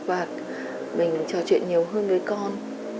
và mình trò chuyện nhiều hơn với con